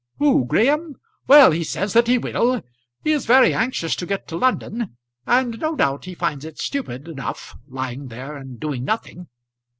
"Who, Graham? Well; he says that he will. He is very anxious to get to London; and no doubt he finds it stupid enough lying there and doing nothing."